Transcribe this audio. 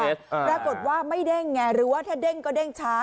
ปรากฏว่าไม่เด้งไงหรือว่าถ้าเด้งก็เด้งช้า